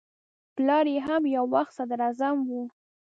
پلار یې هم یو وخت صدراعظم و.